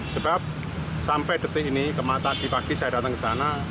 sebab sampai detik ini kemah tadi pagi saya datang ke sana